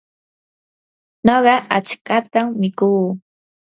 nuqa achkatam mikuu.